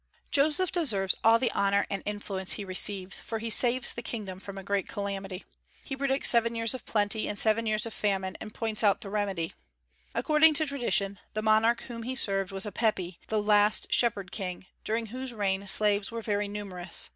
Joseph deserves all the honor and influence he receives, for he saves the kingdom from a great calamity. He predicts seven years of plenty and seven years of famine, and points out the remedy. According to tradition, the monarch whom he served was Apepi, the last Shepherd King, during whose reign slaves were very numerous.